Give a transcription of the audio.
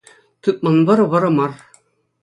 Тытман вӑрӑ — вӑрӑ мар